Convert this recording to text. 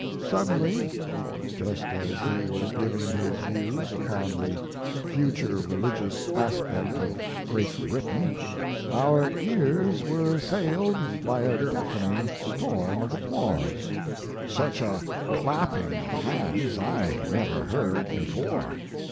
Suddenly, just as he was Xi6 Mark Twain giving 1m views upon the future religious aspect of Great Britain, our ears were as sailed by a deafening storm of applause. Such a clapping of hands I never heard before.